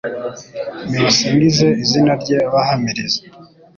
Nibasingize izina rye bahamiriza